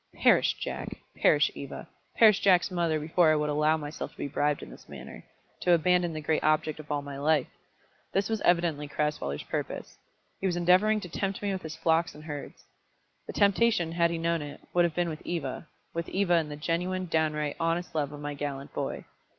Perish Jack! perish Eva! perish Jack's mother, before I would allow myself to be bribed in this manner, to abandon the great object of all my life! This was evidently Crasweller's purpose. He was endeavouring to tempt me with his flocks and herds. The temptation, had he known it, would have been with Eva, with Eva and the genuine, downright, honest love of my gallant boy.